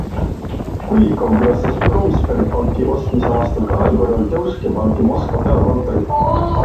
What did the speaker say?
Kulikov külastas Promsberbanki ostmise aastal kahel korral Deutsche Banki Moskva peakontorit.